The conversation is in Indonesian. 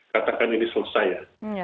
katakan ini selesai ya